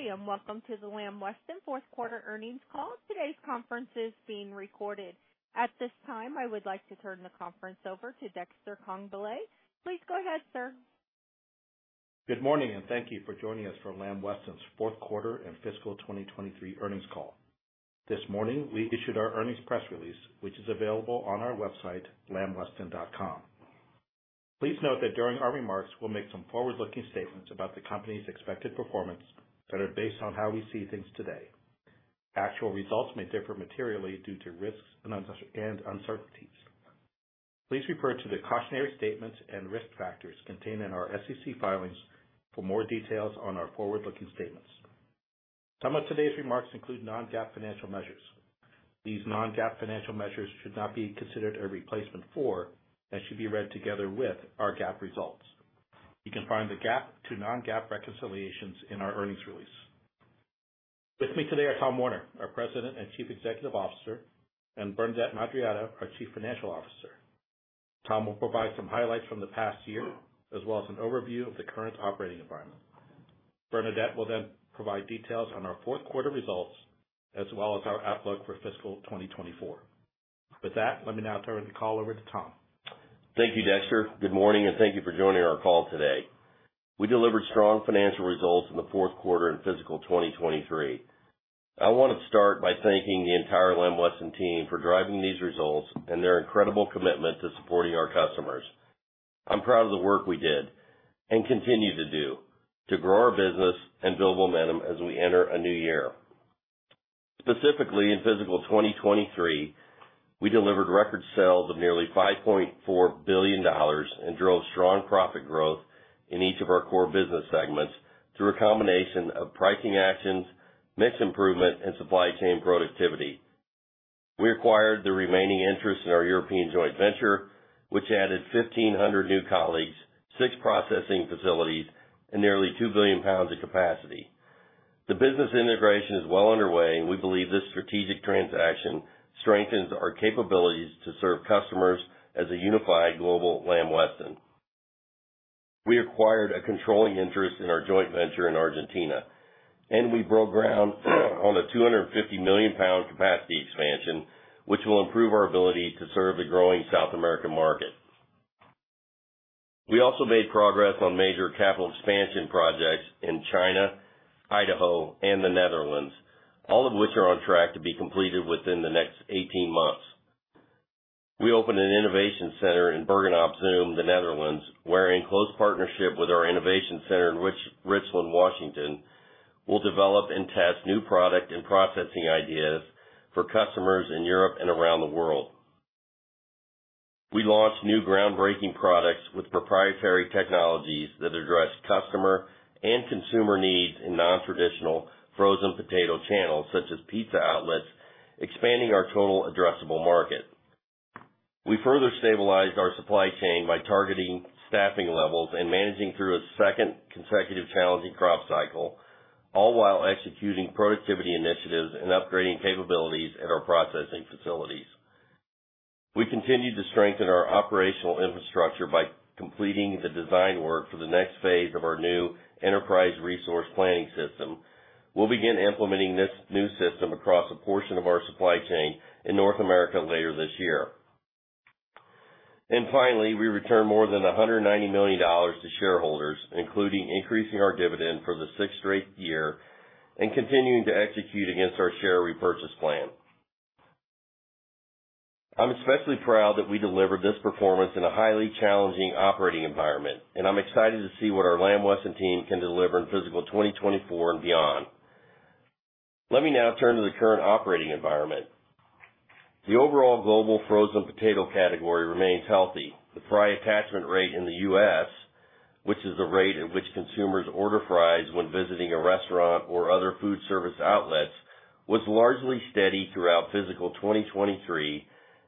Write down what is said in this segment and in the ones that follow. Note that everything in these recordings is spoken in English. Hey, welcome to the Lamb Weston Fourth Quarter Earnings Call. Today's conference is being recorded. At this time, I would like to turn the conference over to Dexter Congbalay. Please go ahead, sir. Good morning, thank you for joining us for Lamb Weston's Fourth Quarter and Fiscal 2023 Earnings Call. This morning, we issued our earnings press release, which is available on our website, lambweston.com. Please note that during our remarks, we'll make some forward-looking statements about the company's expected performance that are based on how we see things today. Actual results may differ materially due to risks and uncertainties. Please refer to the cautionary statements and risk factors contained in our SEC filings for more details on our forward-looking statements. Some of today's remarks include non-GAAP financial measures. These non-GAAP financial measures should not be considered a replacement for, and should be read together with, our GAAP results. You can find the GAAP to non-GAAP reconciliations in our earnings release. With me today are Tom Werner, our President and Chief Executive Officer, and Bernadette Madarieta, our Chief Financial Officer. Tom will provide some highlights from the past year, as well as an overview of the current operating environment. Bernadette will provide details on our fourth quarter results, as well as our outlook for fiscal 2024. With that, let me now turn the call over to Tom. Thank you, Dexter. Good morning, thank you for joining our call today. We delivered strong financial results in the fourth quarter in fiscal 2023. I want to start by thanking the entire Lamb Weston team for driving these results and their incredible commitment to supporting our customers. I'm proud of the work we did and continue to do to grow our business and build momentum as we enter a new year. Specifically, in fiscal 2023, we delivered record sales of nearly $5.4 billion and drove strong profit growth in each of our core business segments through a combination of pricing actions, mix improvement, and supply chain productivity. We acquired the remaining interest in our European joint venture, which added 1,500 new colleagues, six processing facilities, and nearly 2 billion pounds of capacity. The business integration is well underway, and we believe this strategic transaction strengthens our capabilities to serve customers as a unified global Lamb Weston. We acquired a controlling interest in our joint venture in Argentina, and we broke ground on a 250 million pound capacity expansion, which will improve our ability to serve the growing South American market. We also made progress on major capital expansion projects in China, Idaho, and the Netherlands, all of which are on track to be completed within the next 18 months. We opened an innovation center in Bergen op Zoom, the Netherlands, where in close partnership with our innovation center in Richland, Washington, we'll develop and test new product and processing ideas for customers in Europe and around the world. We launched new groundbreaking products with proprietary technologies that address customer and consumer needs in non-traditional frozen potato channels, such as pizza outlets, expanding our total addressable market. We further stabilized our supply chain by targeting staffing levels and managing through a second consecutive challenging crop cycle, all while executing productivity initiatives and upgrading capabilities at our processing facilities. We continued to strengthen our operational infrastructure by completing the design work for the next phase of our new enterprise resource planning system. We'll begin implementing this new system across a portion of our supply chain in North America later this year. Finally, we returned more than $190 million to shareholders, including increasing our dividend for the sixth straight year and continuing to execute against our share repurchase plan. I'm especially proud that we delivered this performance in a highly challenging operating environment, I'm excited to see what our Lamb Weston team can deliver in fiscal 2024 and beyond. Let me now turn to the current operating environment. The overall global frozen potato category remains healthy. The fry attachment rate in the U.S., which is the rate at which consumers order fries when visiting a restaurant or other food service outlets, was largely steady throughout fiscal 2023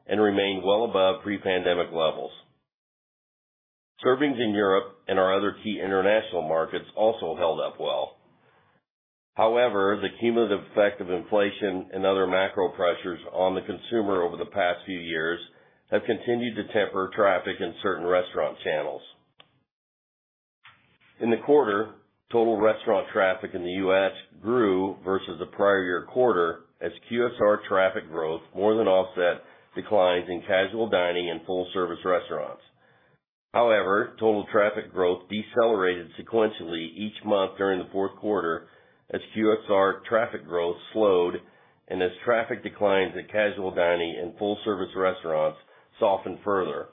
and remained well above pre-pandemic levels. Servings in Europe and our other key international markets also held up well. However, the cumulative effect of inflation and other macro pressures on the consumer over the past few years have continued to temper traffic in certain restaurant channels. In the quarter, total restaurant traffic in the U.S. grew versus the prior year quarter, as QSR traffic growth more than offset declines in casual dining and full-service restaurants. However, total traffic growth decelerated sequentially each month during the fourth quarter, as QSR traffic growth slowed and as traffic declines at casual dining and full-service restaurants softened further.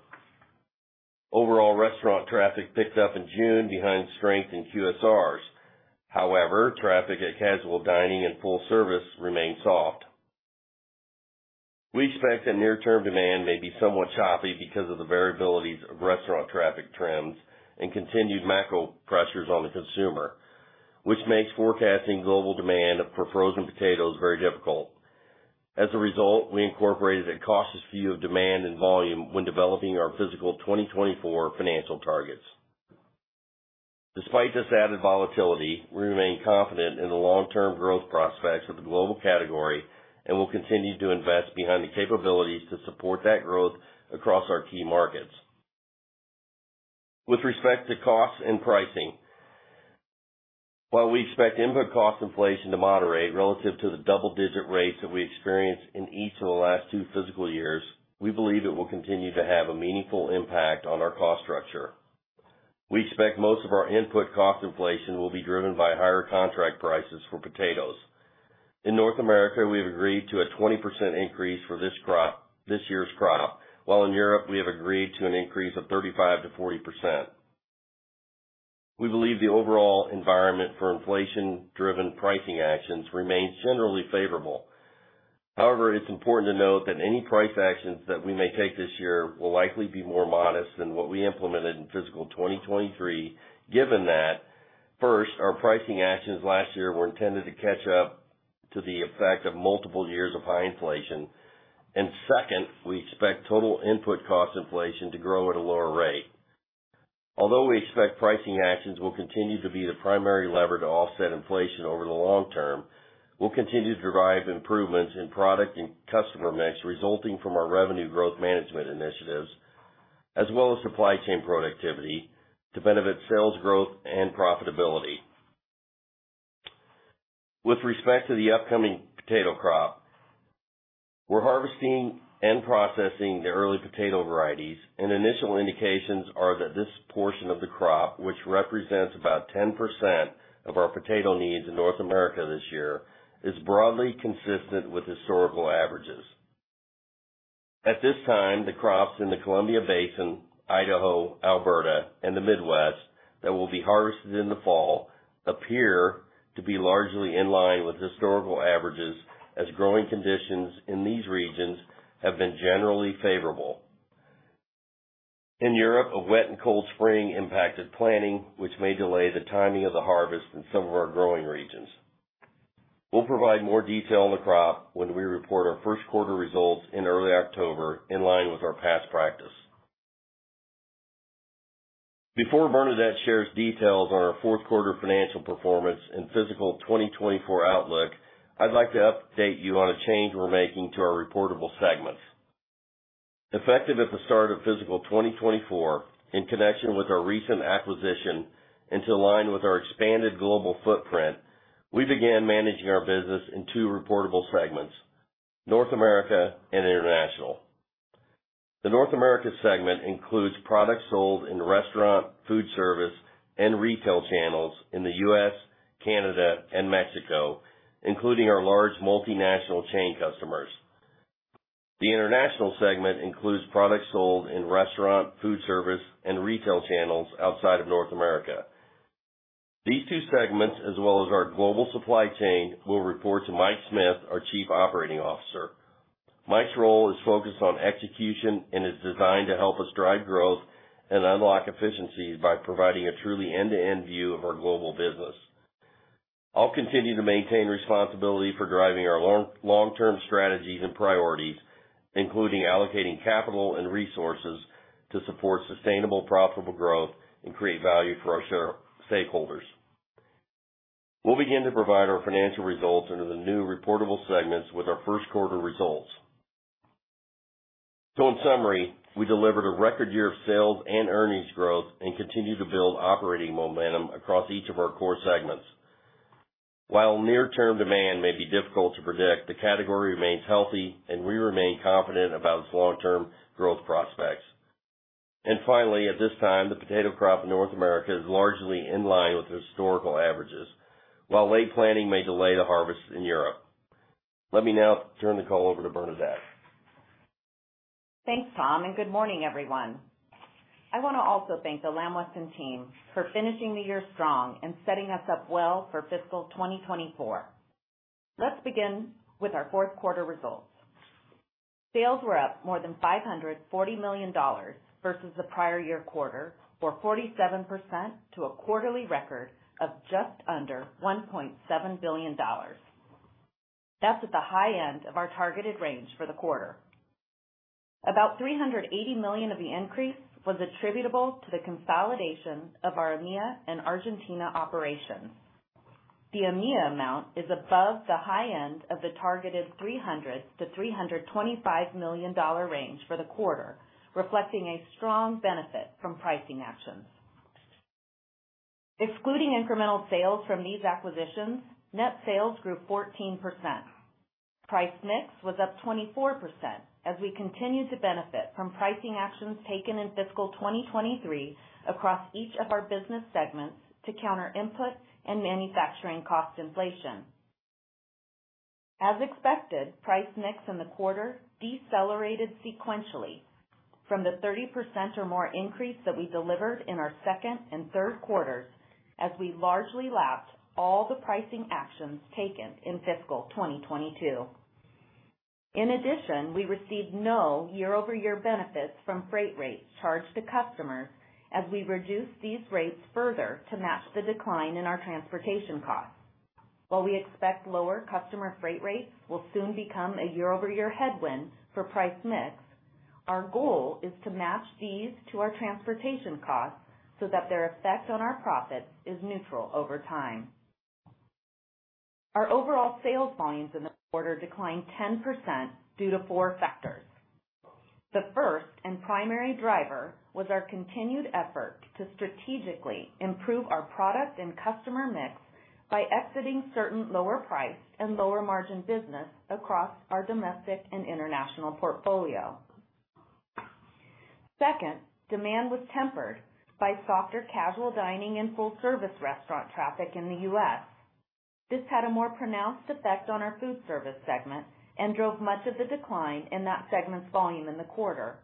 Overall restaurant traffic picked up in June behind strength in QSRs. However, traffic at casual dining and full service remained soft. We expect that near-term demand may be somewhat choppy because of the variabilities of restaurant traffic trends and continued macro pressures on the consumer, which makes forecasting global demand for frozen potatoes very difficult. As a result, we incorporated a cautious view of demand and volume when developing our fiscal 2024 financial targets. Despite this added volatility, we remain confident in the long-term growth prospects for the global category and will continue to invest behind the capabilities to support that growth across our key markets. With respect to costs and pricing, while we expect input cost inflation to moderate relative to the double-digit rates that we experienced in each of the last two fiscal years, we believe it will continue to have a meaningful impact on our cost structure. We expect most of our input cost inflation will be driven by higher contract prices for potatoes. In North America, we have agreed to a 20% increase for this crop, this year's crop, while in Europe, we have agreed to an increase of 35%-40%. We believe the overall environment for inflation-driven pricing actions remains generally favorable. It's important to note that any price actions that we may take this year will likely be more modest than what we implemented in fiscal 2023, given that, first, our pricing actions last year were intended to catch up to the effect of multiple years of high inflation, and second, we expect total input cost inflation to grow at a lower rate. We expect pricing actions will continue to be the primary lever to offset inflation over the long term, we'll continue to drive improvements in product and customer mix resulting from our revenue growth management initiatives, as well as supply chain productivity to benefit sales growth and profitability. With respect to the upcoming potato crop, we're harvesting and processing the early potato varieties, and initial indications are that this portion of the crop, which represents about 10% of our potato needs in North America this year, is broadly consistent with historical averages. At this time, the crops in the Columbia Basin, Idaho, Alberta, and the Midwest that will be harvested in the fall appear to be largely in line with historical averages, as growing conditions in these regions have been generally favorable. In Europe, a wet and cold spring impacted planting, which may delay the timing of the harvest in some of our growing regions. We'll provide more detail on the crop when we report our first quarter results in early October, in line with our past practice. Before Bernadette shares details on our fourth quarter financial performance and fiscal 2024 outlook, I'd like to update you on a change we're making to our reportable segments. Effective at the start of fiscal 2024, in connection with our recent acquisition, and to align with our expanded global footprint, we began managing our business in two reportable segments, North America and International. The North America segment includes products sold in restaurant, food service, and retail channels in the U.S., Canada, and Mexico, including our large multinational chain customers. The International segment includes products sold in restaurant, food service, and retail channels outside of North America. These two segments, as well as our global supply chain, will report to Mike Smith, our Chief Operating Officer. Mike's role is focused on execution and is designed to help us drive growth and unlock efficiencies by providing a truly end-to-end view of our global business. I'll continue to maintain responsibility for driving our long-term strategies and priorities, including allocating capital and resources to support sustainable, profitable growth and create value for our stakeholders. We'll begin to provide our financial results under the new reportable segments with our first quarter results. In summary, we delivered a record year of sales and earnings growth and continue to build operating momentum across each of our core segments. While near-term demand may be difficult to predict, the category remains healthy and we remain confident about its long-term growth prospects. Finally, at this time, the potato crop in North America is largely in line with historical averages, while late planting may delay the harvest in Europe. Let me now turn the call over to Bernadette. Thanks, Tom. Good morning, everyone. I want to also thank the Lamb Weston team for finishing the year strong and setting us up well for fiscal 2024. Let's begin with our fourth quarter results. Sales were up more than $540 million versus the prior year quarter, or 47% to a quarterly record of just under $1.7 billion. That's at the high end of our targeted range for the quarter. About $380 million of the increase was attributable to the consolidation of our EMEA and Argentina operations. The EMEA amount is above the high end of the targeted $300 million-$325 million range for the quarter, reflecting a strong benefit from pricing actions. Excluding incremental sales from these acquisitions, net sales grew 14%. Price mix was up 24% as we continued to benefit from pricing actions taken in fiscal 2023 across each of our business segments to counter input and manufacturing cost inflation. As expected, price mix in the quarter decelerated sequentially from the 30% or more increase that we delivered in our second and third quarters as we largely lapsed all the pricing actions taken in fiscal 2022. In addition, we received no year-over-year benefits from freight rates charged to customers as we reduced these rates further to match the decline in our transportation costs. While we expect lower customer freight rates will soon become a year-over-year headwind for price mix, our goal is to match these to our transportation costs so that their effect on our profits is neutral over time. Our overall sales volumes in the quarter declined 10% due to four factors. The first and primary driver was our continued effort to strategically improve our product and customer mix by exiting certain lower price and lower margin business across our domestic and international portfolio. Second, demand was tempered by softer casual dining and full service restaurant traffic in the U.S. This had a more pronounced effect on our food service segment and drove much of the decline in that segment's volume in the quarter.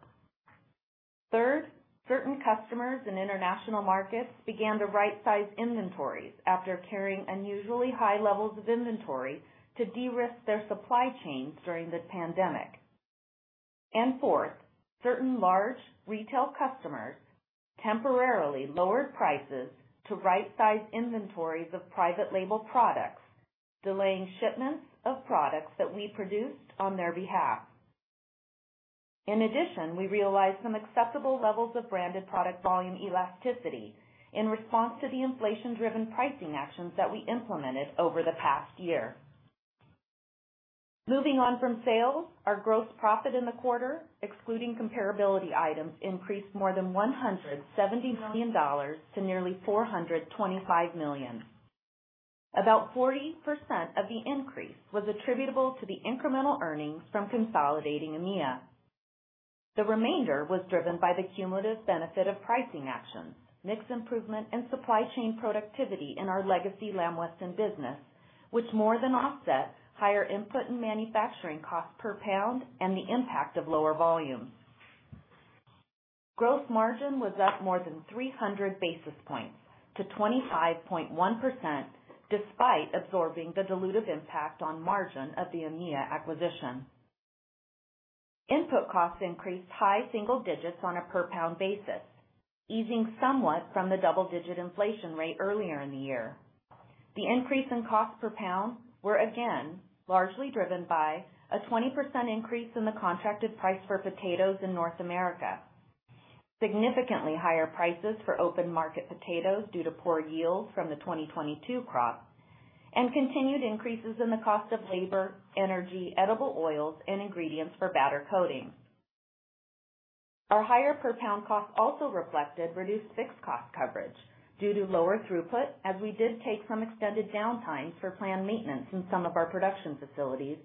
Third, certain customers in international markets began to right-size inventories after carrying unusually high levels of inventory to de-risk their supply chains during the pandemic. Fourth, certain large retail customers temporarily lowered prices to right-size inventories of private label products, delaying shipments of products that we produced on their behalf. In addition, we realized some acceptable levels of branded product volume elasticity in response to the inflation-driven pricing actions that we implemented over the past year. Moving on from sales, our gross profit in the quarter, excluding comparability items, increased more than $170 million to nearly $425 million. About 40% of the increase was attributable to the incremental earnings from consolidating EMEA. The remainder was driven by the cumulative benefit of pricing actions, mix improvement and supply chain productivity in our legacy Lamb Weston business, which more than offset higher input and manufacturing costs per pound and the impact of lower volumes. Gross margin was up more than 300 basis points to 25.1%, despite absorbing the dilutive impact on margin of the EMEA acquisition. Input costs increased high single digits on a per pound basis, easing somewhat from the double digit inflation rate earlier in the year. The increase in cost per pound were again, largely driven by a 20% increase in the contracted price for potatoes in North America. Significantly higher prices for open market potatoes due to poor yields from the 2022 crop, and continued increases in the cost of labor, energy, edible oils and ingredients for batter coating. Our higher per pound cost also reflected reduced fixed cost coverage due to lower throughput, as we did take some extended downtime for planned maintenance in some of our production facilities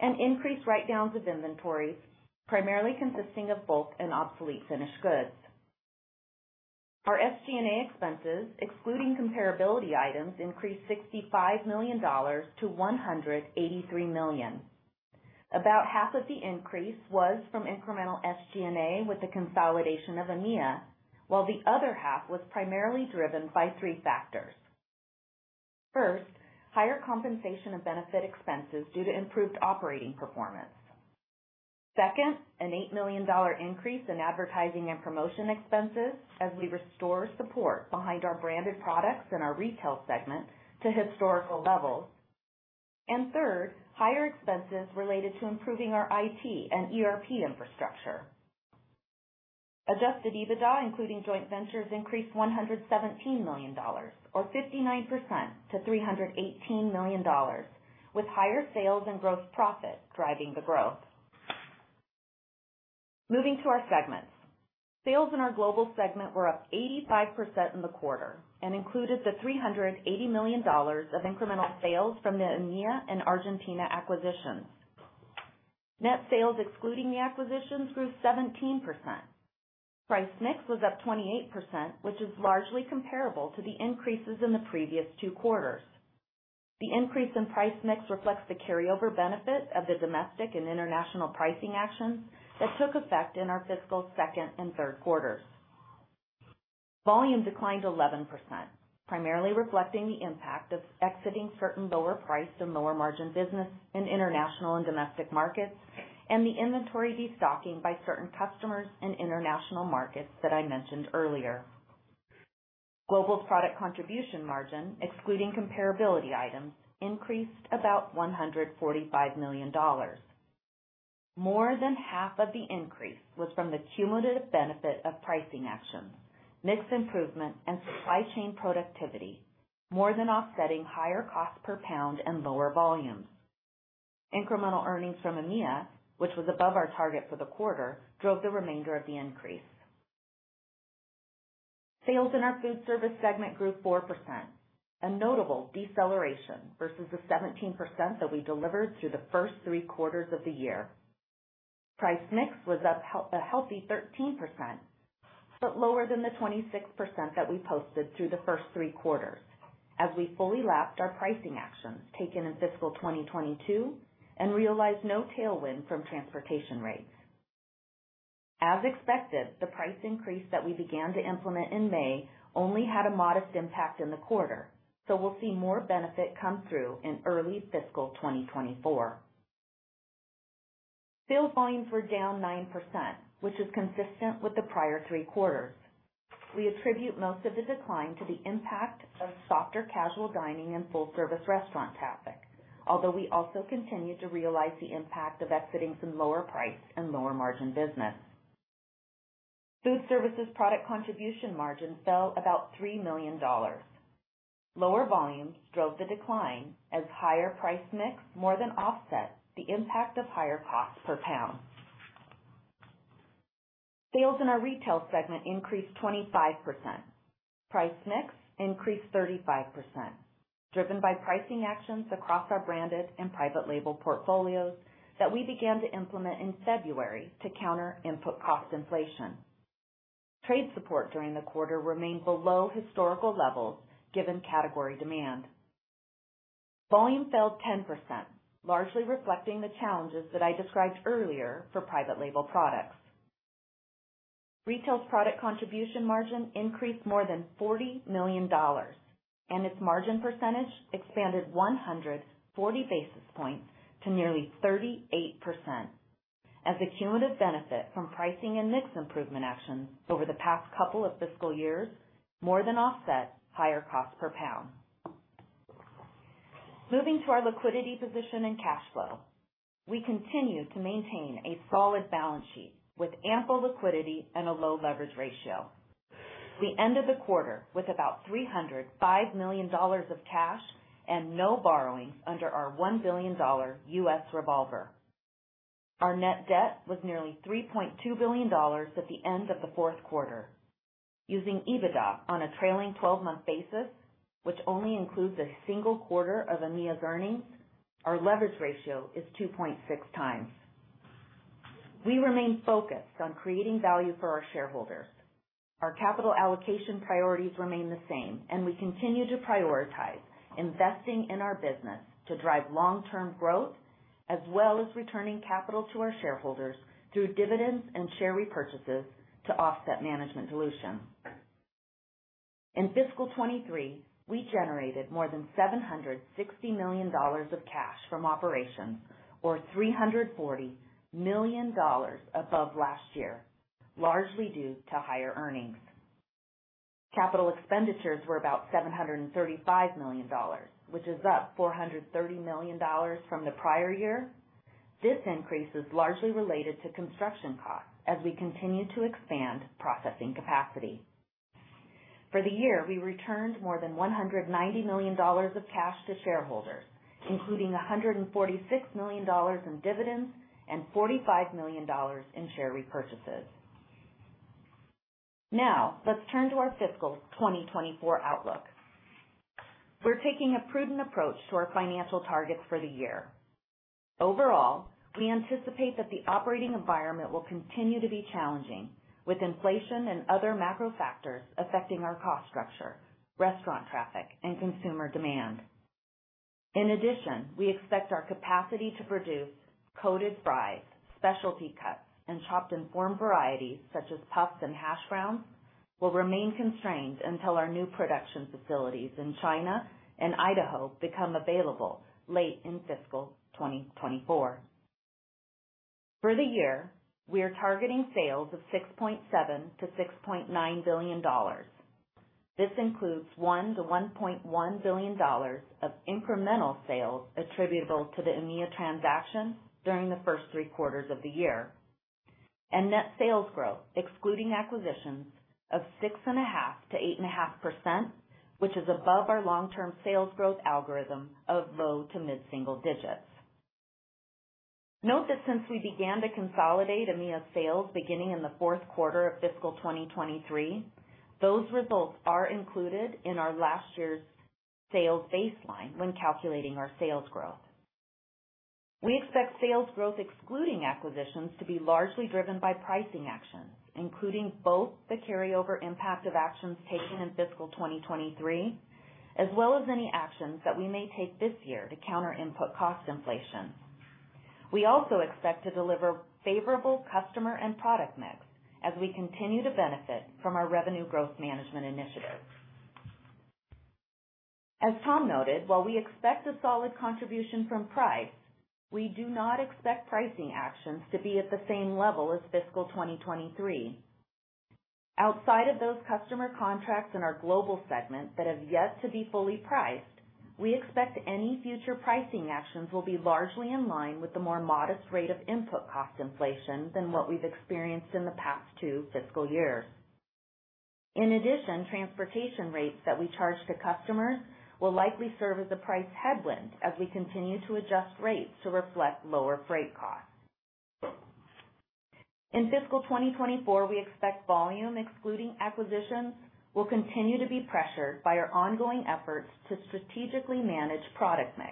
and increased write-downs of inventories, primarily consisting of bulk and obsolete finished goods. Our SG&A expenses, excluding comparability items, increased $65 million to $183 million. About half of the increase was from incremental SG&A, with the consolidation of EMEA, while the other half was primarily driven by three factors. First, higher compensation and benefit expenses due to improved operating performance. Second, an $8 million increase in advertising and promotion expenses as we restore support behind our branded products in our retail segment to historical levels. Third, higher expenses related to improving our IT and ERP infrastructure. Adjusted EBITDA, including joint ventures, increased $117 million, or 59% to $318 million, with higher sales and gross profit driving the growth. Moving to our segments. Sales in our global segment were up 85% in the quarter and included the $380 million of incremental sales from the EMEA and Argentina acquisitions. Net sales, excluding the acquisitions, grew 17%. Price mix was up 28%, which is largely comparable to the increases in the previous two quarters. The increase in price mix reflects the carryover benefit of the domestic and international pricing actions that took effect in our fiscal second and third quarters. Volume declined 11%, primarily reflecting the impact of exiting certain lower priced and lower margin business in international and domestic markets, and the inventory destocking by certain customers in international markets that I mentioned earlier. Global product contribution margin, excluding comparability items, increased about $145 million. More than half of the increase was from the cumulative benefit of pricing actions, mix improvement and supply chain productivity, more than offsetting higher costs per pound and lower volumes. Incremental earnings from EMEA, which was above our target for the quarter, drove the remainder of the increase. Sales in our food service segment grew 4%, a notable deceleration versus the 17% that we delivered through the first three quarters of the year. Price mix was up a healthy 13%, but lower than the 26% that we posted through the first three quarters as we fully lapped our pricing actions taken in fiscal 2022 and realized no tailwind from transportation rates. As expected, the price increase that we began to implement in May only had a modest impact in the quarter, so we'll see more benefit come through in early fiscal 2024. Sales volumes were down 9%, which is consistent with the prior three quarters. We attribute most of the decline to the impact of softer casual dining and full service restaurant traffic, although we also continue to realize the impact of exiting some lower price and lower margin business. Food Services product contribution margin fell about $3 million. Lower volumes drove the decline as higher price mix more than offset the impact of higher costs per pound. Sales in our Retail segment increased 25%. Price mix increased 35%, driven by pricing actions across our branded and private label portfolios that we began to implement in February to counter input cost inflation. Trade support during the quarter remained below historical levels, given category demand. Volume fell 10%, largely reflecting the challenges that I described earlier for private label products. Retail's product contribution margin increased more than $40 million, its margin percentage expanded 140 basis points to nearly 38%, as the cumulative benefit from pricing and mix improvement actions over the past couple of fiscal years more than offset higher costs per pound. Moving to our liquidity position and cash flow, we continue to maintain a solid balance sheet with ample liquidity and a low leverage ratio. We end of the quarter with about $305 million of cash and no borrowings under our $1 billion U.S. revolver. Our net debt was nearly $3.2 billion at the end of the fourth quarter. Using EBITDA on a trailing twelve-month basis, which only includes a single quarter of EMEA's earnings, our leverage ratio is 2.6 times. We remain focused on creating value for our shareholders. Our capital allocation priorities remain the same, and we continue to prioritize investing in our business to drive long-term growth, as well as returning capital to our shareholders through dividends and share repurchases to offset management dilution. In fiscal 2023, we generated more than $760 million of cash from operations, or $340 million above last year, largely due to higher earnings. Capital expenditures were about $735 million, which is up $430 million from the prior year. This increase is largely related to construction costs as we continue to expand processing capacity. For the year, we returned more than $190 million of cash to shareholders, including $146 million in dividends and $45 million in share repurchases. Now, let's turn to our fiscal 2024 outlook. We're taking a prudent approach to our financial targets for the year. Overall, we anticipate that the operating environment will continue to be challenging, with inflation and other macro factors affecting our cost structure, restaurant traffic, and consumer demand. In addition, we expect our capacity to produce coated fries, specialty cuts, and chopped and formed varieties, such as puffs and hash browns, will remain constrained until our new production facilities in China and Idaho become available late in fiscal 2024. For the year, we are targeting sales of $6.7 billion-$6.9 billion. This includes $1 billion-$1.1 billion of incremental sales attributable to the EMEA transaction during the first three quarters of the year. Net sales growth, excluding acquisitions of 6.5%-8.5%, which is above our long-term sales growth algorithm of low to mid-single digits. Note that since we began to consolidate EMEA's sales beginning in the fourth quarter of fiscal 2023, those results are included in our last year's sales baseline when calculating our sales growth. We expect sales growth, excluding acquisitions, to be largely driven by pricing actions, including both the carryover impact of actions taken in fiscal 2023, as well as any actions that we may take this year to counter input cost inflation. We also expect to deliver favorable customer and product mix as we continue to benefit from our revenue growth management initiatives. As Tom noted, while we expect a solid contribution from price, we do not expect pricing actions to be at the same level as fiscal 2023. Outside of those customer contracts in our global segment that have yet to be fully priced, we expect any future pricing actions will be largely in line with the more modest rate of input cost inflation than what we've experienced in the past two fiscal years. In addition, transportation rates that we charge to customers will likely serve as a price headwind as we continue to adjust rates to reflect lower freight costs. In fiscal 2024, we expect volume, excluding acquisitions, will continue to be pressured by our ongoing efforts to strategically manage product mix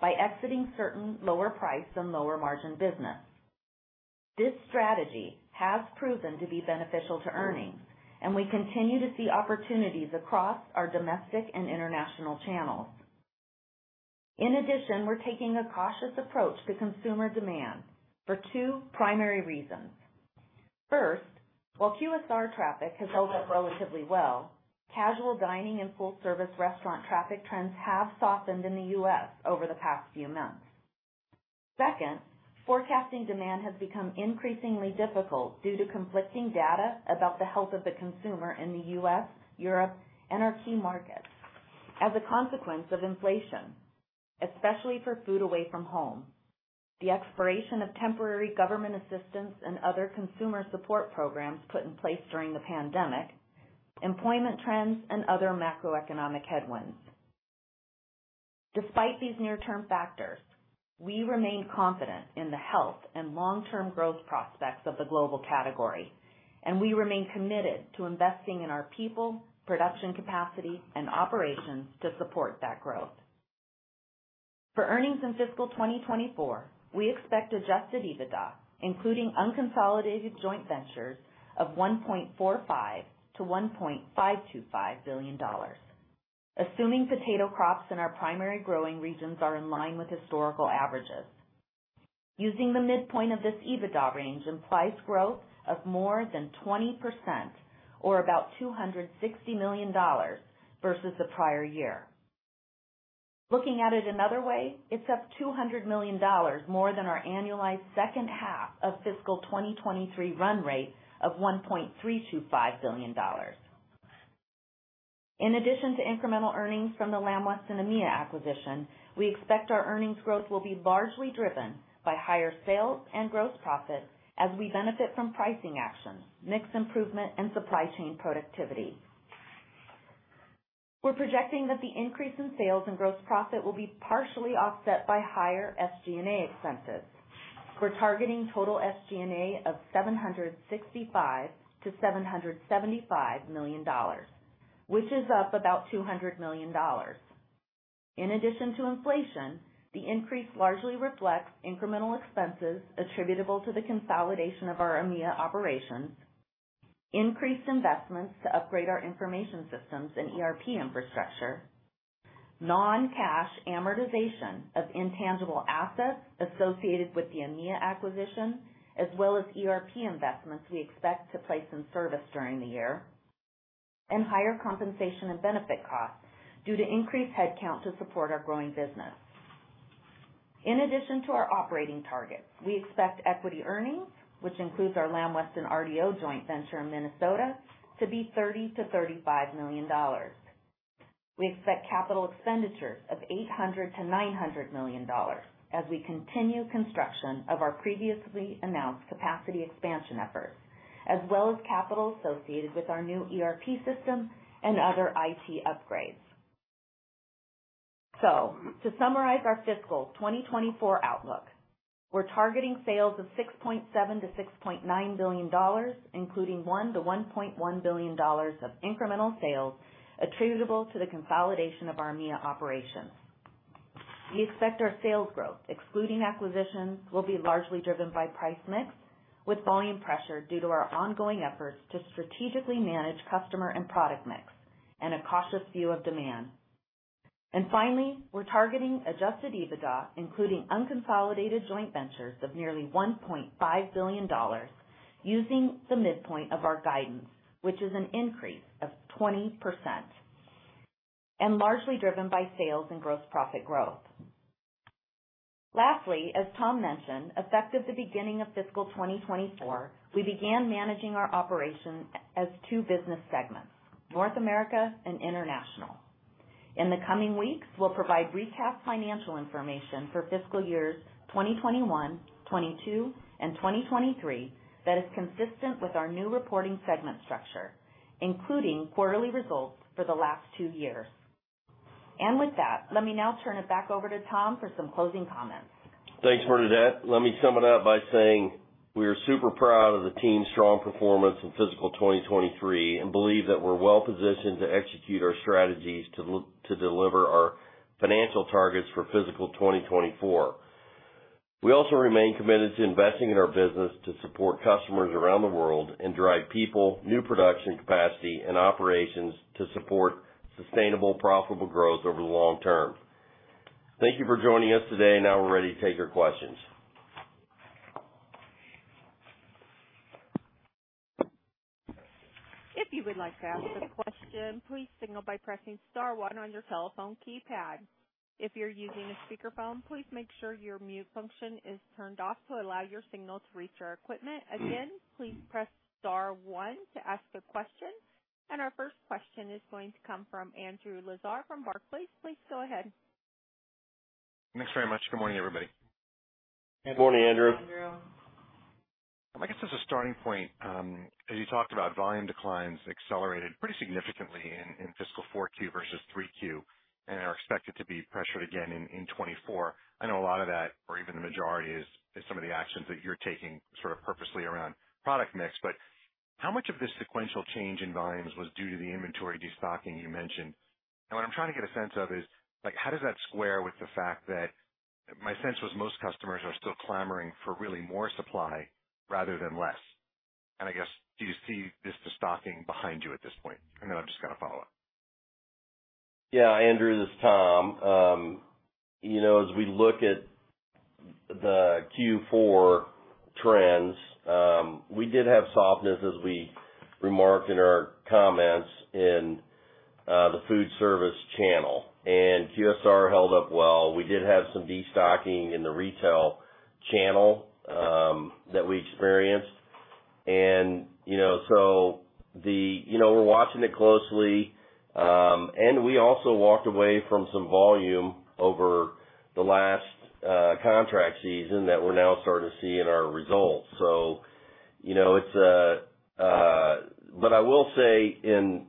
by exiting certain lower price and lower margin business. This strategy has proven to be beneficial to earnings, and we continue to see opportunities across our domestic and international channels. In addition, we're taking a cautious approach to consumer demand for two primary reasons. First, while QSR traffic has held up relatively well, casual dining and full-service restaurant traffic trends have softened in the U.S. over the past few months. Second, forecasting demand has become increasingly difficult due to conflicting data about the health of the consumer in the U.S., Europe, and our key markets, as a consequence of inflation, especially for food away from home, the expiration of temporary government assistance and other consumer support programs put in place during the pandemic, employment trends, and other macroeconomic headwinds. Despite these near-term factors, we remain confident in the health and long-term growth prospects of the global category, and we remain committed to investing in our people, production capacity, and operations to support that growth. For earnings in fiscal 2024, we expect Adjusted EBITDA, including unconsolidated joint ventures, of $1.45 billion-$1.525 billion, assuming potato crops in our primary growing regions are in line with historical averages. Using the midpoint of this EBITDA range implies growth of more than 20% or about $260 million versus the prior year. Looking at it another way, it's up $200 million more than our annualized second half of fiscal 2023 run rate of $1.325 billion. In addition to incremental earnings from the Lamb Weston EMEA acquisition, we expect our earnings growth will be largely driven by higher sales and gross profit as we benefit from pricing actions, mix improvement, and supply chain productivity. We're projecting that the increase in sales and gross profit will be partially offset by higher SG&A expenses. We're targeting total SG&A of $765 million-$775 million, which is up about $200 million. In addition to inflation, the increase largely reflects incremental expenses attributable to the consolidation of our EMEA operations, increased investments to upgrade our information systems and ERP infrastructure, non-cash amortization of intangible assets associated with the EMEA acquisition, as well as ERP investments we expect to place in service during the year, and higher compensation and benefit costs due to increased headcount to support our growing business. In addition to our operating targets, we expect equity earnings, which includes our Lamb Weston RDO joint venture in Minnesota, to be $30 million-$35 million. We expect capital expenditures of $800 million-$900 million as we continue construction of our previously announced capacity expansion efforts, as well as capital associated with our new ERP system and other IT upgrades. To summarize our fiscal 2024 outlook, we're targeting sales of $6.7 billion-$6.9 billion, including $1 billion-$1.1 billion of incremental sales attributable to the consolidation of our EMEA operations. We expect our sales growth, excluding acquisitions, will be largely driven by price mix, with volume pressure due to our ongoing efforts to strategically manage customer and product mix and a cautious view of demand. Finally, we're targeting adjusted EBITDA, including unconsolidated joint ventures, of nearly $1.5 billion using the midpoint of our guidance, which is an increase of 20% and largely driven by sales and gross profit growth. Lastly, as Tom mentioned, effective the beginning of fiscal 2024, we began managing our operations as two business segments, North America and International. In the coming weeks, we'll provide recap financial information for fiscal years 2021, 2022, and 2023 that is consistent with our new reporting segment structure, including quarterly results for the last two years. With that, let me now turn it back over to Tom for some closing comments. Thanks, Bernadette. Let me sum it up by saying we are super proud of the team's strong performance in fiscal 2023 and believe that we're well positioned to execute our strategies to deliver our financial targets for fiscal 2024. We also remain committed to investing in our business to support customers around the world and drive people, new production capacity, and operations to support sustainable, profitable growth over the long term. Thank you for joining us today. We're ready to take your questions. If you would like to ask a question, please signal by pressing star one on your telephone keypad. If you're using a speakerphone, please make sure your mute function is turned off to allow your signal to reach our equipment. Again, please press star one to ask a question. Our first question is going to come from Andrew Lazar from Barclays. Please go ahead. Thanks very much. Good morning, everybody. Good morning, Andrew. I guess as a starting point, as you talked about volume declines accelerated pretty significantly in fiscal 4Q versus 3Q and are expected to be pressured again in 2024. I know a lot of that, or even the majority, is some of the actions that you're taking sort of purposely around product mix. How much of this sequential change in volumes was due to the inventory destocking you mentioned? What I'm trying to get a sense of is, like, how does that square with the fact that my sense was most customers are still clamoring for really more supply rather than less. I guess, do you see this destocking behind you at this point? I'm just going to follow up. Yeah, Andrew, this is Tom. You know, as we look at the Q4 trends, we did have softness as we remarked in our comments in the food service channel, and QSR held up well. We did have some destocking in the retail channel that we experienced. You know, we're watching it closely. We also walked away from some volume over the last contract season that we're now starting to see in our results. You know, it's but I will say in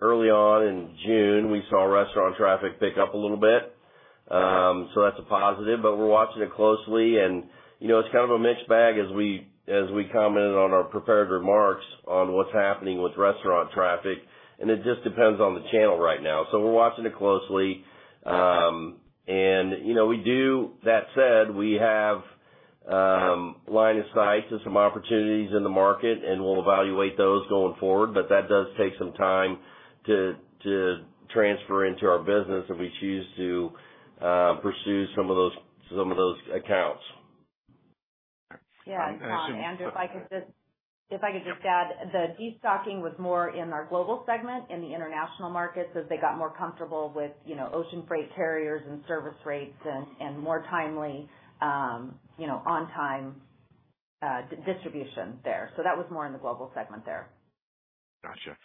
early on in June, we saw restaurant traffic pick up a little bit. That's a positive, but we're watching it closely and, you know, it's kind of a mixed bag as we, as we commented on our prepared remarks on what's happening with restaurant traffic, and it just depends on the channel right now. We're watching it closely. You know, that said, we have line of sight to some opportunities in the market, and we'll evaluate those going forward, but that does take some time to transfer into our business if we choose to pursue some of those accounts. Yeah, Tom, Andrew, if I could just add, the destocking was more in our global segment in the international markets as they got more comfortable with, you know, ocean freight carriers and service rates and more timely, you know, on time, distribution there. That was more in the global segment there. Gotcha.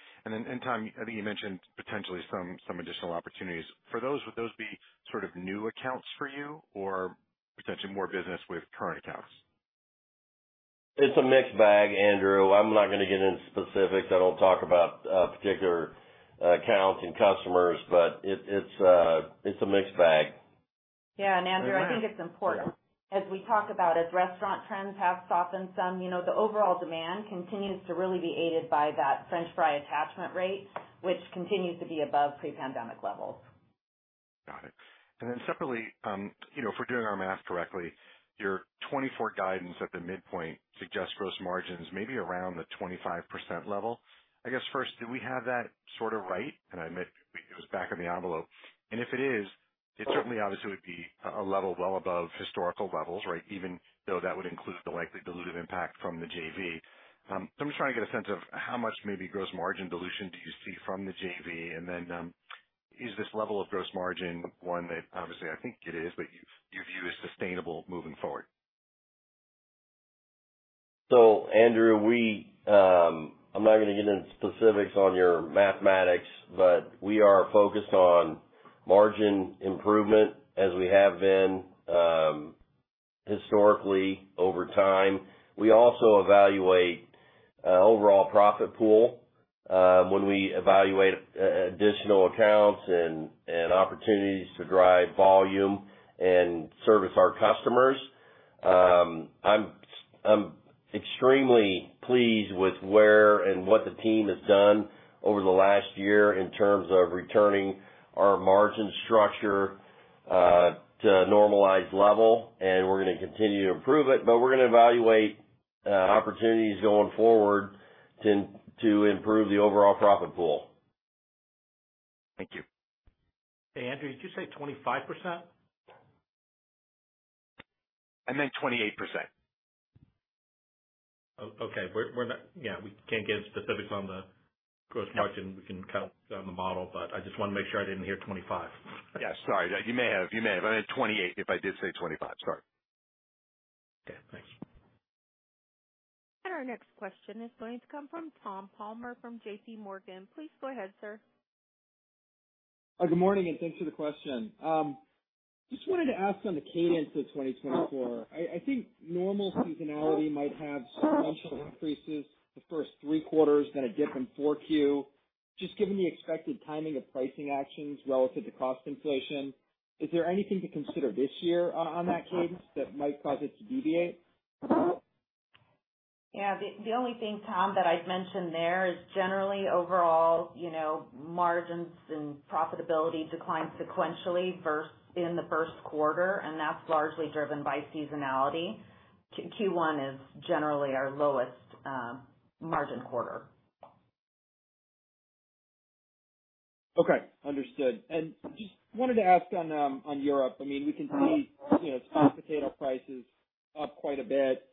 Tom, I think you mentioned potentially some additional opportunities. For those, would those be sort of new accounts for you or potentially more business with current accounts? It's a mixed bag, Andrew. I'm not gonna get into specifics. I don't talk about particular accounts and customers, but it's a mixed bag. Yeah, Andrew, I think it's important as we talk about as restaurant trends have softened some, you know, the overall demand continues to really be aided by that french fry attachment rate, which continues to be above pre-pandemic levels. Got it. Separately, you know, if we're doing our math correctly, your 2024 guidance at the midpoint suggests gross margins maybe around the 25% level. I guess first, do we have that sort of right? I admit it was back of the envelope, and if it is, it certainly obviously would be a level well above historical levels, right? Even though that would include the likely dilutive impact from the JV. I'm just trying to get a sense of how much maybe gross margin dilution do you see from the JV, and then, is this level of gross margin one that, obviously I think it is, but you view as sustainable moving forward? Andrew, we, I'm not gonna get into specifics on your mathematics, but we are focused on margin improvement as we have been, historically over time. We also evaluate overall profit pool when we evaluate additional accounts and opportunities to drive volume and service our customers. I'm extremely pleased with where and what the team has done over the last year in terms of returning our margin structure to a normalized level, and we're gonna continue to improve it, but we're gonna evaluate opportunities going forward to improve the overall profit pool. Thank you. Hey, Andrew, did you say 25%? I meant 28%. Okay. We're not yeah, we can't get into specifics on the gross margin. Yeah. We can kind of go on the model, but I just wanted to make sure I didn't hear 25%. Sorry. You may have. I meant 28%, if I did say 25%. Sorry. Okay, thanks. Our next question is going to come from Tom Palmer from JPMorgan. Please go ahead, sir. Good morning, and thanks for the question. Just wanted to ask on the cadence of 2024. I think normal seasonality might have substantial increases the first three quarters, then a dip in 4Q. Just given the expected timing of pricing actions relative to cost inflation, is there anything to consider this year on that cadence that might cause it to deviate? Yeah, the only thing, Tom, that I'd mention there is generally overall, you know, margins and profitability decline sequentially in the first quarter. That's largely driven by seasonality. Q1 is generally our lowest margin quarter. Okay, understood. Just wanted to ask on Europe. I mean, we can see, you know, spot potato prices up quite a bit.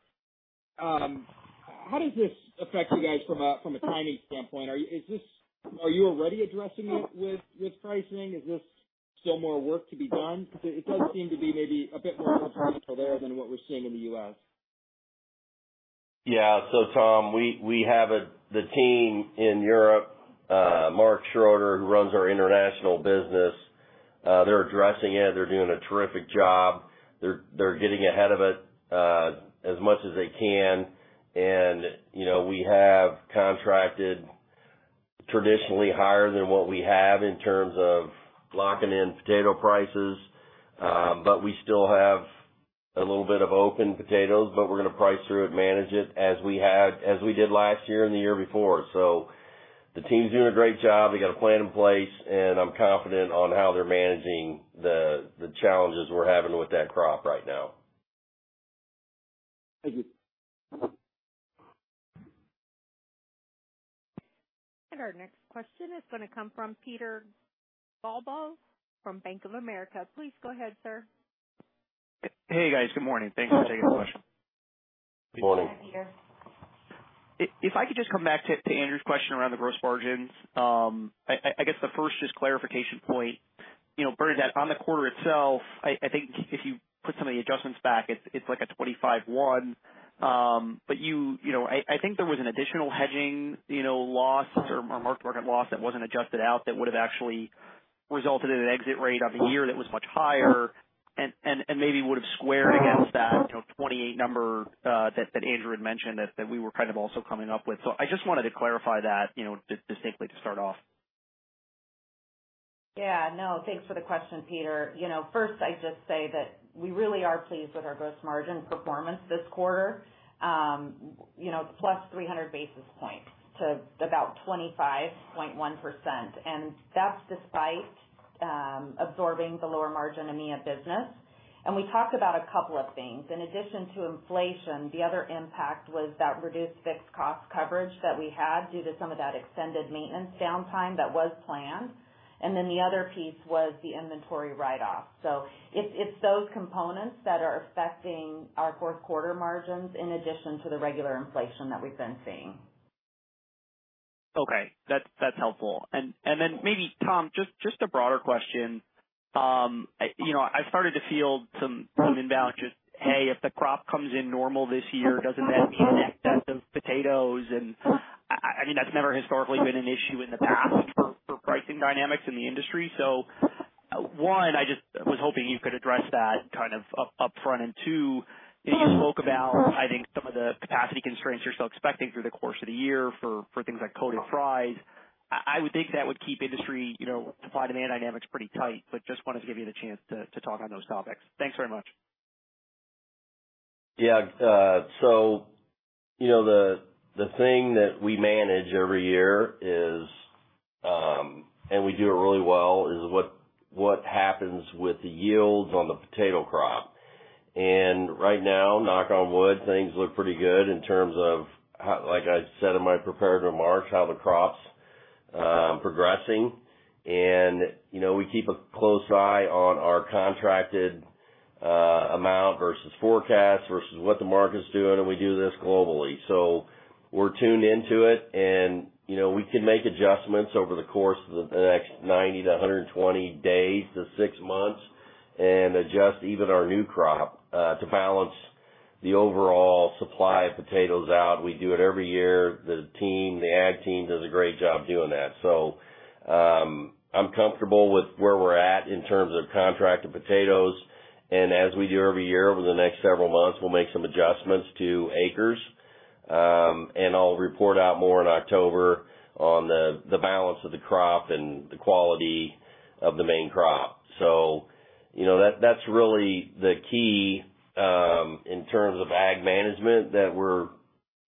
How does this affect you guys from a timing standpoint? Are you already addressing it with pricing? Is this still more work to be done? Because it does seem to be maybe a bit more structural there than what we're seeing in the U.S. Tom, we have the team in Europe, Marc Schroeder, who runs our international business. They're addressing it. They're doing a terrific job. They're getting ahead of it as much as they can. You know, we have contracted traditionally higher than what we have in terms of locking in potato prices. We still have a little bit of open potatoes, but we're gonna price through it and manage it as we had, as we did last year and the year before. The team's doing a great job. They got a plan in place, and I'm confident on how they're managing the challenges we're having with that crop right now. Thank you. Our next question is gonna come from Peter Galbo from Bank of America. Please go ahead, sir. Hey, guys, good morning. Thanks for taking the question. Good morning. Hi, Peter. If I could just come back to Andrew's question around the gross margins. I guess the first just clarification point. You know, Bernadette, on the quarter itself, I think if you put some of the adjustments back, it's like a 25.1%. But you know, I think there was an additional hedging, you know, loss or mark-to-market loss that wasn't adjusted out that would have actually resulted in an exit rate on the year that was much higher and maybe would have squared against that, you know, 28% that Andrew had mentioned, that we were kind of also coming up with. I just wanted to clarify that, you know, simply to start off. Yeah. No, thanks for the question, Peter. You know, first, I'd just say that we really are pleased with our gross margin performance this quarter. You know, plus 300 basis points to about 25.1%, and that's despite absorbing the lower margin EMEA business. We talked about a couple of things. In addition to inflation, the other impact was that reduced fixed cost coverage that we had due to some of that extended maintenance downtime that was planned. The other piece was the inventory write-off. It's those components that are affecting our fourth quarter margins, in addition to the regular inflation that we've been seeing. Okay. That's helpful. Then maybe, Tom, just a broader question. You know, I've started to field some inbound just, "Hey, if the crop comes in normal this year, doesn't that mean an excess of potatoes?" I mean, that's never historically been an issue in the past for pricing dynamics in the industry. One, I just was hoping you could address that kind of upfront. Two, you spoke about, I think, some of the capacity constraints you're still expecting through the course of the year for things like coated fries. I would think that would keep industry, you know, supply/demand dynamics pretty tight, but just wanted to give you the chance to talk on those topics. Thanks very much. Yeah. You know, the thing that we manage every year is, and we do it really well, is what happens with the yields on the potato crop. Right now, knock on wood, things look pretty good in terms of how like I said in my prepared remarks, how the crop's progressing. You know, we keep a close eye on our contracted amount versus forecasts versus what the market's doing, and we do this globally. We're tuned into it and, you know, we can make adjustments over the course of the next 90 to 120 days to six months and adjust even our new crop to balance the overall supply of potatoes out. We do it every year. The team, the ag team does a great job doing that. I'm comfortable with where we're at in terms of contracted potatoes, and as we do every year, over the next several months, we'll make some adjustments to acres. I'll report out more in October on the balance of the crop and the quality of the main crop. You know, that's really the key in terms of ag management, that we're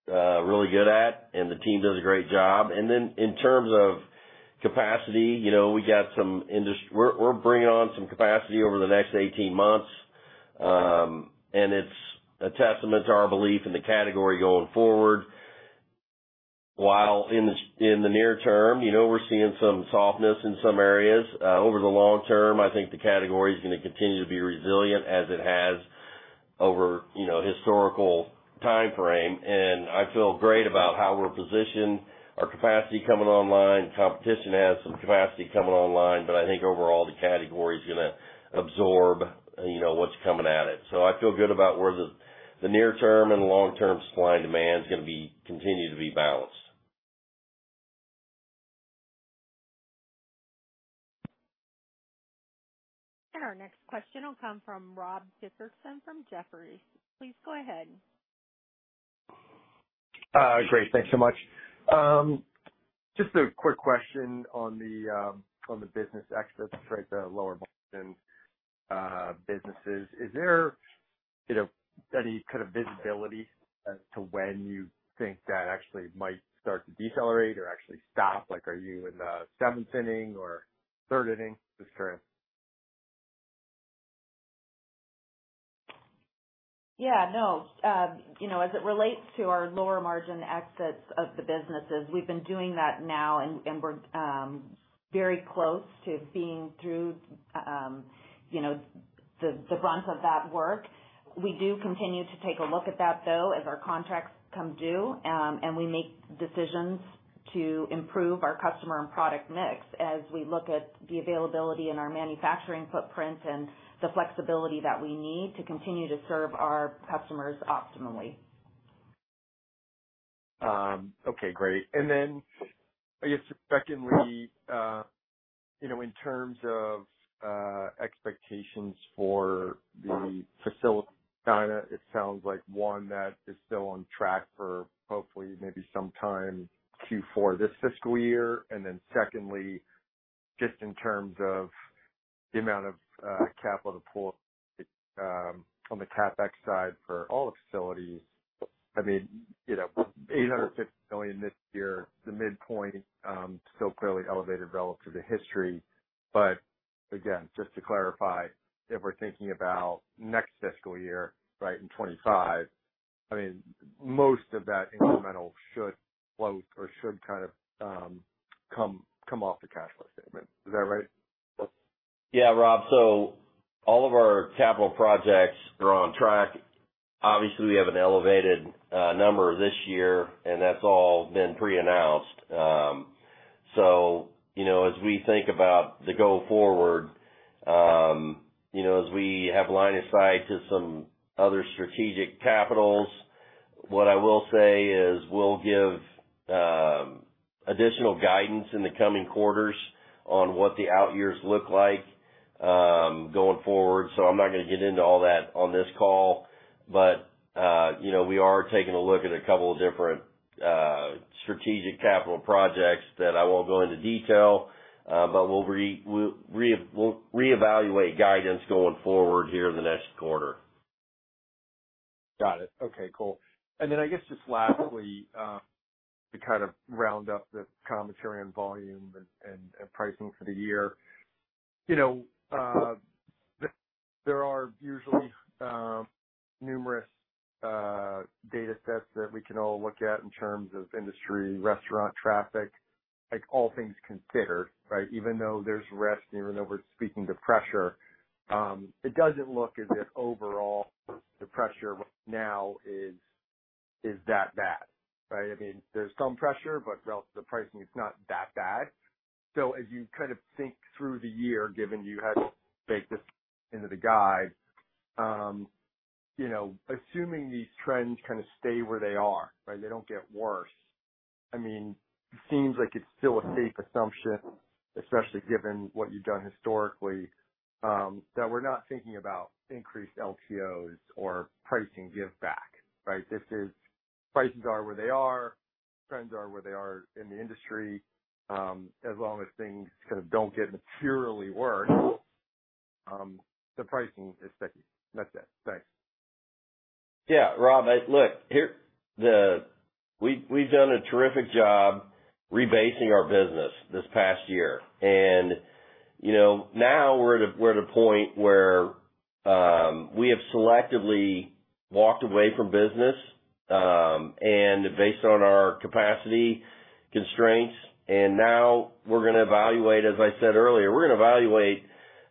really good at, and the team does a great job. In terms of capacity, you know, we're bringing on some capacity over the next 18 months. It's a testament to our belief in the category going forward. While in the near term, you know, we're seeing some softness in some areas. Over the long term, I think the category is going to continue to be resilient as it has over, you know, historical timeframe. I feel great about how we're positioned, our capacity coming online. Competition has some capacity coming online, but I think overall, the category is gonna absorb, you know, what's coming at it. I feel good about where the near-term and long-term supply and demand is gonna continue to be balanced. Our next question will come from Rob Dickerson from Jefferies. Please go ahead. Great, thanks so much. Just a quick question on the business exits, right? The lower margin businesses. Is there, you know, any kind of visibility as to when you think that actually might start to decelerate or actually stop? Like, are you in the seventh inning or third inning with this trend? No. you know, as it relates to our lower margin exits of the businesses, we've been doing that now, and we're very close to being through, you know, the brunt of that work. We do continue to take a look at that, though, as our contracts come due, and we make decisions to improve our customer and product mix as we look at the availability in our manufacturing footprint and the flexibility that we need to continue to serve our customers optimally. Okay, great. I guess, secondly, you know, in terms of expectations for the facility, China, it sounds like one that is still on track for hopefully maybe sometime Q4 this fiscal year. Secondly, just in terms of the amount of capital to pull on the CapEx side for all the facilities, I mean, you know, $850 million this year, the midpoint, still clearly elevated relative to history. Again, just to clarify, if we're thinking about next fiscal year, right, in 2025, I mean, most of that incremental should float or should kind of come off the cash flow statement. Is that right? Yeah, Rob. All of our capital projects are on track. Obviously, we have an elevated number this year, and that's all been pre-announced. You know, as we think about the go forward, you know, as we have line of sight to some other strategic capitals, what I will say is, we'll give additional guidance in the coming quarters on what the out years look like going forward. I'm not gonna get into all that on this call, but, you know, we are taking a look at a couple of different strategic capital projects that I won't go into detail, but we'll reevaluate guidance going forward here in the next quarter. Got it. Okay, cool. I guess just lastly, to kind of round up the commentary on volume and pricing for the year. You know, there are usually, numerous, data sets that we can all look at in terms of industry, restaurant traffic, like all things considered, right? Even though there's risk, even though we're speaking to pressure, it doesn't look as if overall the pressure now is that bad, right? I mean, there's some pressure, but the pricing is not that bad. As you kind of think through the year, given you had to bake this into the guide, you know, assuming these trends kind of stay where they are, right, they don't get worse. I mean, it seems like it's still a safe assumption, especially given what you've done historically, that we're not thinking about increased LTOs or pricing give back, right? This is, prices are where they are, trends are where they are in the industry, as long as things kind of don't get materially worse, the pricing is sticky. That's it. Thanks. Yeah, Rob, I look here, the we've done a terrific job rebasing our business this past year. You know, now we're at a, we're at a point where we have selectively walked away from business and based on our capacity constraints, and now we're gonna evaluate, as I said earlier, we're gonna evaluate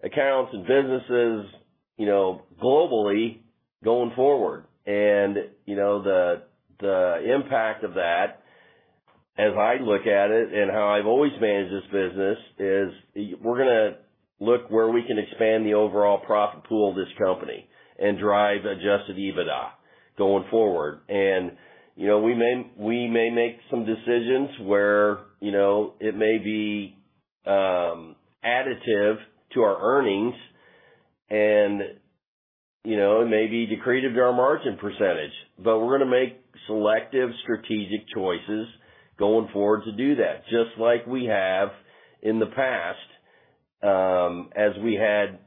accounts and businesses, you know, globally going forward. You know, the impact of that, as I look at it and how I've always managed this business, is we're gonna look where we can expand the overall profit pool of this company and drive adjusted EBITDA going forward. You know, we may make some decisions where, you know, it may be additive to our earnings and, you know, it may be accretive to our margin percentage, but we're gonna make selective, strategic choices going forward to do that, just like we have in the past.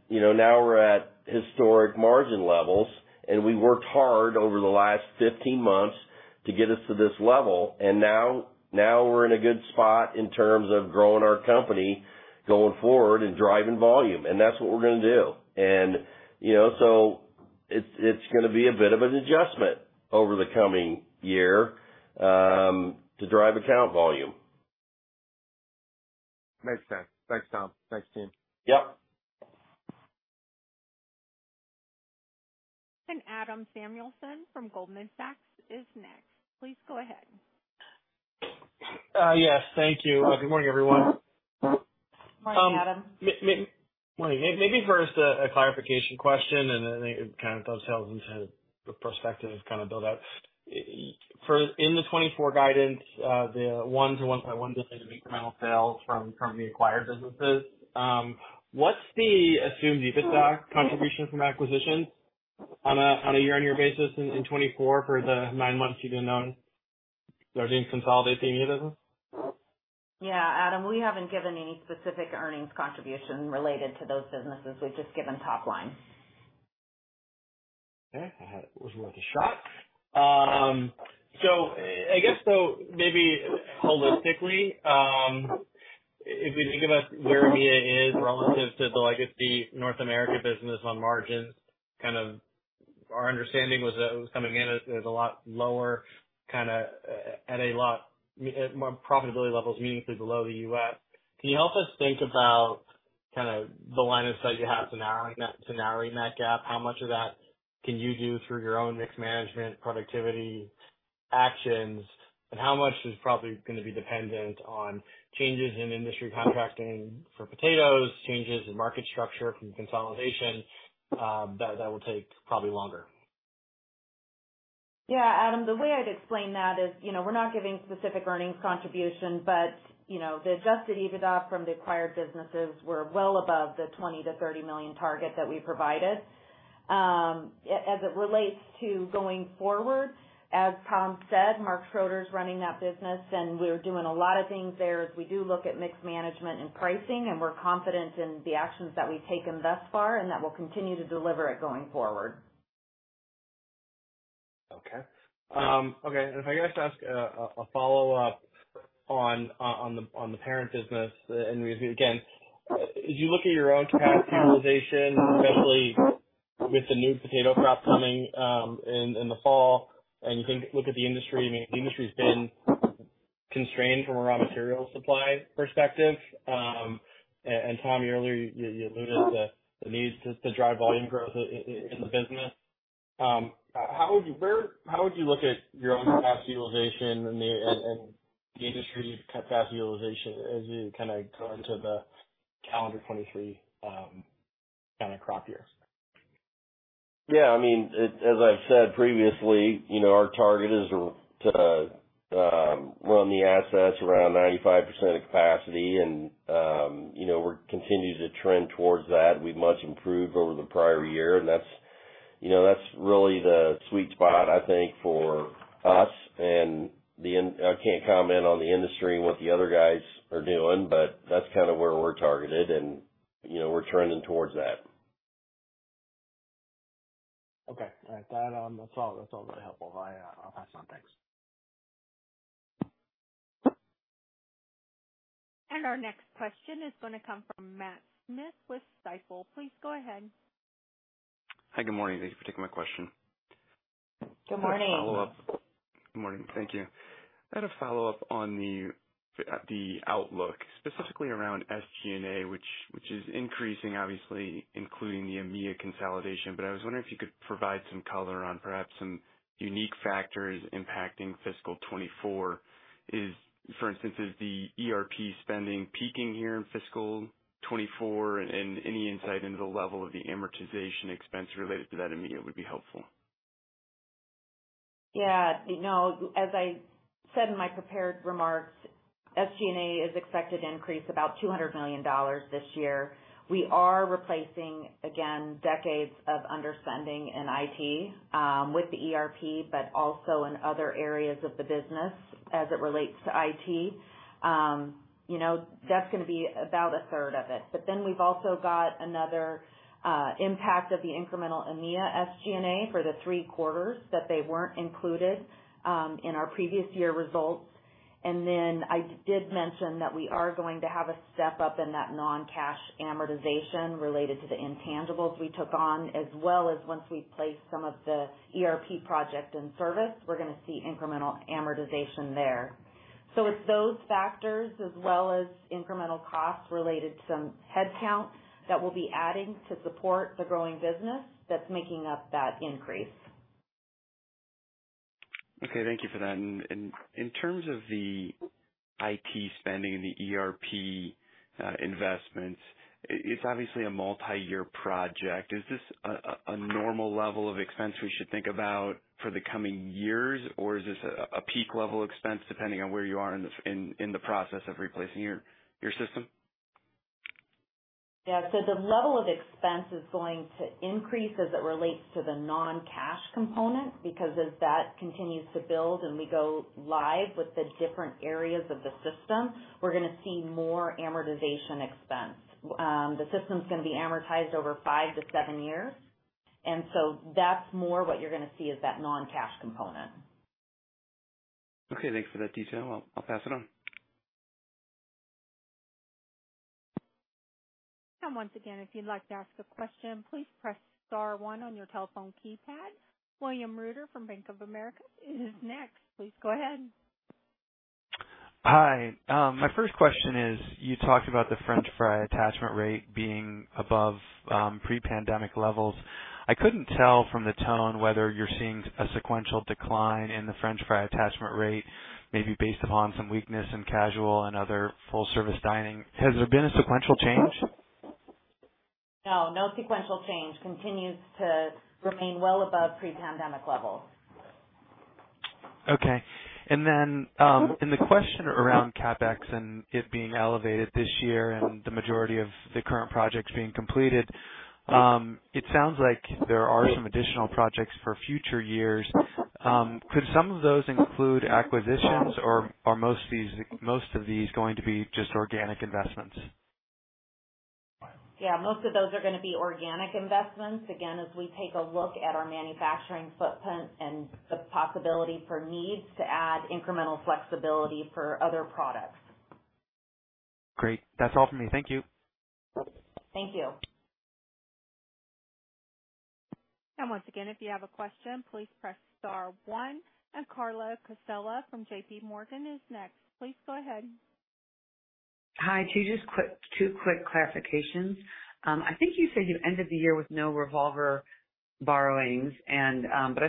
You know, now we're at historic margin levels, we worked hard over the last 15 months to get us to this level, and now we're in a good spot in terms of growing our company going forward and driving volume, and that's what we're gonna do. You know, so it's gonna be a bit of an adjustment over the coming year to drive account volume. Makes sense. Thanks, Tom. Thanks, team. Yep. Adam Samuelson from Goldman Sachs is next. Please go ahead. yes, thank you. Good morning, everyone. Morning, Adam. Morning. Maybe first a clarification question, and then it kind of dovetails into the perspective and kind of build out. For in the 2024 guidance, the $1 billion-$1.1 billion of incremental sales from the acquired businesses, what's the assumed EBITDA contribution from acquisitions on a year-on-year basis in 2024 for the nine months you've been owning or been consolidating the new business? Adam, we haven't given any specific earnings contribution related to those businesses. We've just given top line. Okay. It was worth a shot. I guess, maybe holistically, if we think about where EMEA is relative to the legacy North America business on margins, our understanding was that it was coming in as a lot lower profitability levels meaningfully below the U.S. Can you help us think about the line of sight you have to narrowing that gap? How much of that can you do through your own mix management, productivity actions, and how much is probably gonna be dependent on changes in industry contracting for potatoes, changes in market structure from consolidation, that will take probably longer? Yeah, Adam, the way I'd explain that is, you know, we're not giving specific earnings contribution, but, you know, the adjusted EBITDA from the acquired businesses were well above the $20 million-$30 million target that we provided. As it relates to going forward, as Tom said, Marc Schroeder is running that business, and we're doing a lot of things there, as we do look at mix management and pricing, and we're confident in the actions that we've taken thus far and that we'll continue to deliver it going forward. Okay. Okay, if I could just ask a follow-up on the parent business. Again, as you look at your own capacity utilization, especially with the new potato crop coming in the fall, and you look at the industry constrained from a raw material supply perspective. And Tom, earlier, you alluded to the needs to drive volume growth in the business. How would you, where, how would you look at your own capacity utilization and the industry capacity utilization as we kind of go into the calendar 2023, kind of crop year? Yeah, I mean, as I've said previously, you know, our target is to run the assets around 95% of capacity. You know, we're continuing to trend towards that. We've much improved over the prior year, and that's, you know, really the sweet spot, I think, for us. I can't comment on the industry and what the other guys are doing, but that's kind of where we're targeted, and, you know, we're trending towards that. Okay. All right. That, that's all very helpful. I'll pass on. Thanks. Our next question is going to come from Matt Smith with Stifel. Please go ahead. Hi, good morning. Thank you for taking my question. Good morning. Follow-up. Good morning. Thank you. I had a follow-up on the outlook, specifically around SG&A, which is increasing, obviously, including the EMEA consolidation, but I was wondering if you could provide some color on perhaps some unique factors impacting fiscal 2024. For instance, is the ERP spending peaking here in fiscal 2024? Any insight into the level of the amortization expense related to that EMEA would be helpful. You know, as I said in my prepared remarks, SG&A is expected to increase about $200 million this year. We are replacing, again, decades of underspending in IT with the ERP, but also in other areas of the business as it relates to IT. You know, that's gonna be about a third of it. We've also got another impact of the incremental EMEA SG&A for the 3 quarters that they weren't included in our previous year results. I did mention that we are going to have a step-up in that non-cash amortization related to the intangibles we took on, as well as once we place some of the ERP project in service, we're gonna see incremental amortization there.it's those factors as well as incremental costs related to some headcount that we'll be adding to support the growing business that's making up that increase. Okay, thank you for that. In terms of the IT spending and the ERP investments, it's obviously a multi-year project. Is this a normal level of expense we should think about for the coming years, or is this a peak level expense depending on where you are in the process of replacing your system? Yeah. The level of expense is going to increase as it relates to the non-cash component, because as that continues to build and we go live with the different areas of the system, we're gonna see more amortization expense. The system's gonna be amortized over five to seven years, and so that's more what you're gonna see is that non-cash component. Okay, thanks for that detail. I'll pass it on. Once again, if you'd like to ask a question, please press star one on your telephone keypad. William Reuter from Bank of America is next. Please go ahead. Hi. My first question is, you talked about the french fry attachment rate being above, pre-pandemic levels. I couldn't tell from the tone whether you're seeing a sequential decline in the french fry attachment rate, maybe based upon some weakness in casual and other full-service dining. Has there been a sequential change? No, no sequential change. Continues to remain well above pre-pandemic levels. Okay. In the question around CapEx and it being elevated this year and the majority of the current projects being completed, it sounds like there are some additional projects for future years. Could some of those include acquisitions, or are most of these going to be just organic investments? Yeah, most of those are gonna be organic investments, again, as we take a look at our manufacturing footprint and the possibility for needs to add incremental flexibility for other products. Great. That's all for me. Thank you. Thank you. Once again, if you have a question, please press star one. Carla Casella from JPMorgan is next. Please go ahead. Hi, two quick clarifications. I think you said you ended the year with no revolver borrowings. I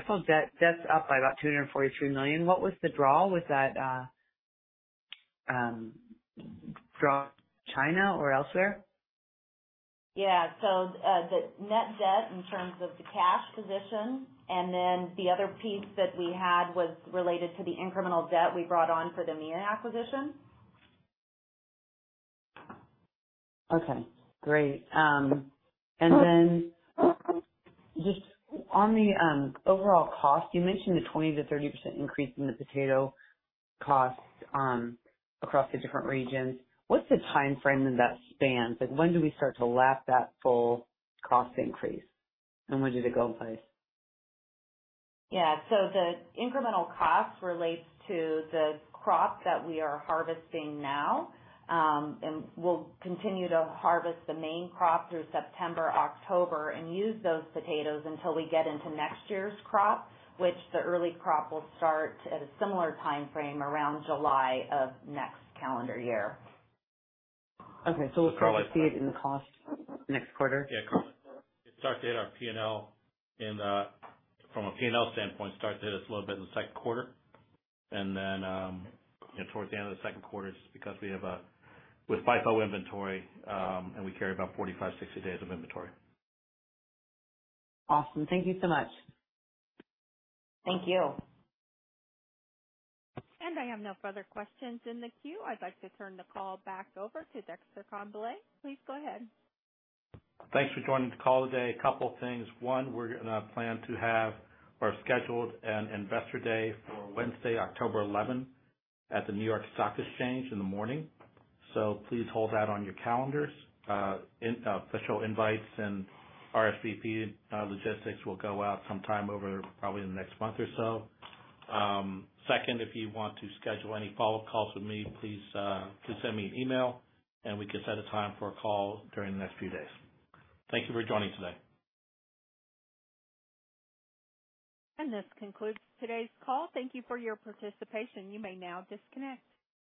saw debt's up by about $243 million. What was the draw? Was that draw China or elsewhere? Yeah. The net debt in terms of the cash position, and then the other piece that we had was related to the incremental debt we brought on for the Meijer acquisition. Okay, great. Just on the overall cost, you mentioned a 20%-30% increase in the potato costs, across the different regions. What's the timeframe that that spans? Like, when do we start to lap that full cost increase, and when did it go in place? Yeah. The incremental cost relates to the crop that we are harvesting now. We'll continue to harvest the main crop through September, October, and use those potatoes until we get into next year's crop, which the early crop will start at a similar timeframe around July of next calendar year. Okay. We'll start to see it in the cost next quarter? Yeah, From a PNL standpoint, start to hit us a little bit in the second quarter. you know, towards the end of the second quarter, just because we have a, with FIFO inventory, and we carry about 45, 60 days of inventory. Awesome. Thank you so much. Thank you. I have no further questions in the queue. I'd like to turn the call back over to Dexter Congbalay. Please go ahead. Thanks for joining the call today. A couple things. One, we're gonna plan to have or scheduled an investor day for Wednesday, October 11, at the New York Stock Exchange in the morning, so please hold that on your calendars. Official invites and RSVP logistics will go out sometime over probably in the next month or so. Second, if you want to schedule any follow-up calls with me, please, just send me an email, and we can set a time for a call during the next few days. Thank you for joining today. This concludes today's call. Thank you for your participation. You may now disconnect.